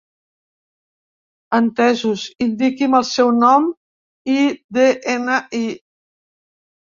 Entesos, indiqui'm el seu nom i de-ena-i.